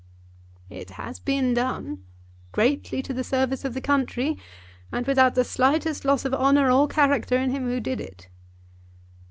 "It has been done, greatly to the service of the country, and without the slightest loss of honour or character in him who did it."